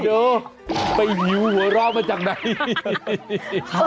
เดี๋ยวไปหิวหัวเราะมาจากไหน